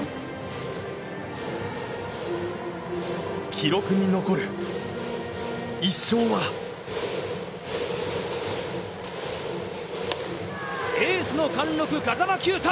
記録に残る１勝はエースの貫禄、風間球打。